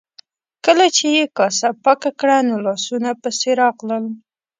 کله چې یې کاسه پاکه کړه نو لاسونو پسې راغلل.